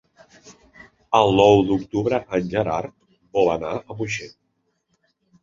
El nou d'octubre en Gerard vol anar a Moixent.